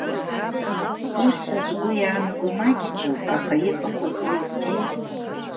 Ус згәы иаанаго маҷӡоуп, аха иҟақәоуп уезгьы.